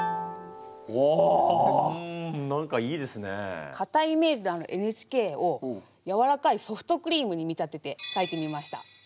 かたいイメージのある「ＮＨＫ」をやわらかいソフトクリームに見立てて書いてみました。